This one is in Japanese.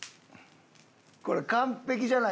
これ完璧じゃない？